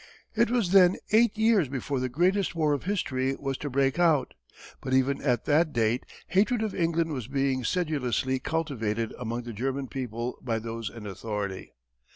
It was then eight years before the greatest war of history was to break out, but even at that date hatred of England was being sedulously cultivated among the German people by those in authority.